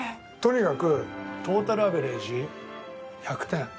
とにかくトータルアベレージ１００点。